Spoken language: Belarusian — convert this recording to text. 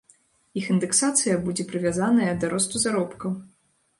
Іх індэксацыя будзе прывязаная да росту заробкаў.